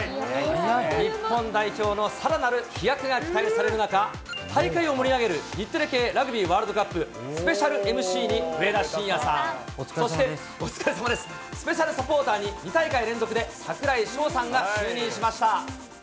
日本代表のさらなる飛躍が期待される中、大会を盛り上げる日テレ系ラグビーワールドカップスペシャルＭＣに、上田晋也さん、そして、スペシャルサポーターに、２大会連続で櫻井翔さんが就任しました。